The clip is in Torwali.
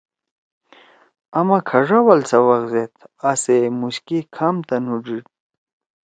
آما کھڙا وال سوق زید، آسے موش کے کھام تُنو ڈیِڑ